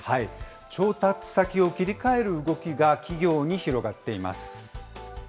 調達先を切り替える動きが企業に広がっています。